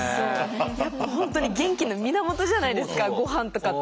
やっぱ本当に元気の源じゃないですかごはんとかって。